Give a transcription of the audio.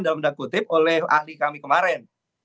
dalam tanda kutip oleh ahli kami kemarin